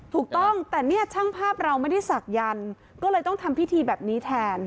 ถูกต้องแต่เนี่ยช่างภาพเราไม่ได้ศักยันต์ก็เลยต้องทำพิธีแบบนี้แทน